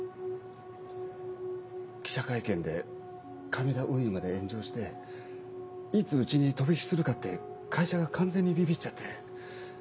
記者会見で亀田運輸まで炎上していつうちに飛び火するかって会社が完全にビビっちゃって。